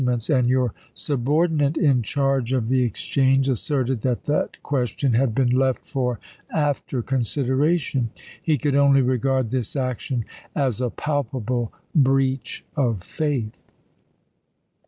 ments, and your subordinate in charge of the FORT WAGNER 439 exchange asserted that that question had been left chap. xv. for af ter consideration." He could only regard this action as a palpable breach of faith.